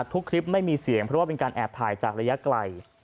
คลิปไม่มีเสียงเพราะว่าเป็นการแอบถ่ายจากระยะไกล